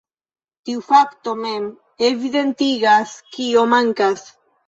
Tiu fakto mem evidentigas, kio mankas.